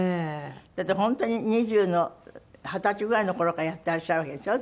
だって本当に２０の二十歳ぐらいの頃からやってらっしゃるわけでしょ？